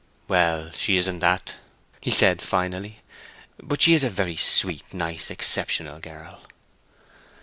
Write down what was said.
"Well, she isn't that," he said, finally. "But she's a very sweet, nice, exceptional girl."